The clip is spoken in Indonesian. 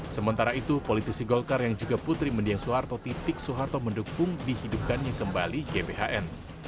sementara itu politisi golkar yang juga putri mendiang soeharto titik soeharto mendukung dihidupkannya kembali gbhn